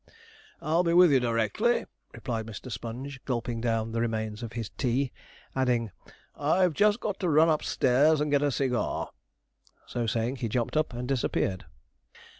'I'll be with you directly,' replied Mr. Sponge, gulping down the remains of his tea; adding, 'I've just got to run upstairs and get a cigar.' So saying, he jumped up and disappeared.